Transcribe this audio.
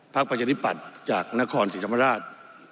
พักประชานิปัตย์จากนครสิทธิ์ธรรมราช